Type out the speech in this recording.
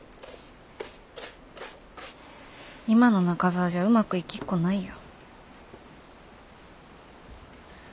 今の中澤じゃうまくいきっこないよ。